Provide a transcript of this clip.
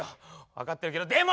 分かってるけどでも。